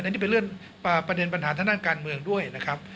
อันนี้เป็นเรื่องประเด็นปัญหาทางด้านการเมืองด้วยนะครับ